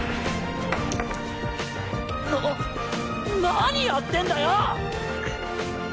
な何やってんだよ！